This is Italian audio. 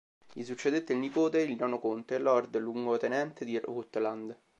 Gli succedette il nipote, il nono conte, Lord luogotenente di Rutland.